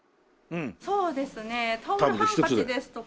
そうですねタオルハンカチですとか